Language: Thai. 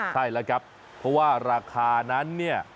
ใช่แล้วครับเพราะว่าราคานั้นเนี่ย